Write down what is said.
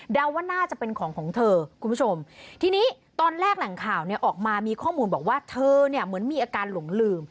ว่าน่าจะเป็นของของเธอคุณผู้ชมทีนี้ตอนแรกแหล่งข่าวเนี่ยออกมามีข้อมูลบอกว่าเธอเนี่ยเหมือนมีอาการหลงลืม